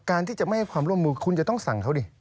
ที่จะไม่ให้ความร่วมมือคุณจะต้องสั่งเขาดิ